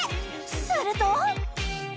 すると